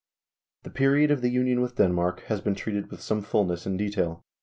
The period of the union with Denmark has been treated with some fullness of detail.